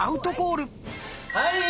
はい！